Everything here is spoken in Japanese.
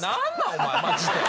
お前マジで。